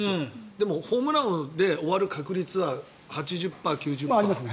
でもホームラン王で終わる確率は８０％、９０％。